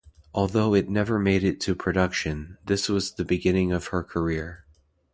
Although it never made it to production, this was the beginning of her career.